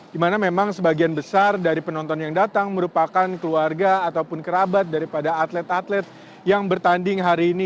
dimana memang sebagian besar dari penonton yang datang merupakan keluarga ataupun kerabat daripada atlet atlet yang bertanding hari ini